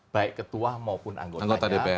baik ketua maupun anggotanya